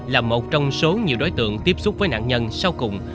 là một trong số nhiều đối tượng tiếp xúc với nạn nhân sau cùng